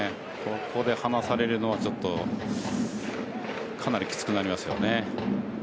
ここで離されるのはかなりきつくなりますよね。